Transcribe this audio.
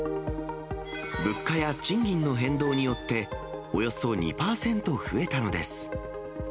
物価や賃金の変動によって、およそ２％増えたのです。